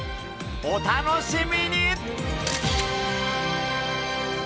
お楽しみに！